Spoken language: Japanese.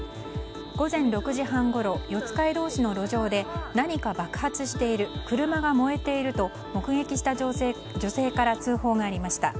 午前６時半ごろ四街道市の路上で何か爆発している車が燃えていると目撃した女性から通報がありました。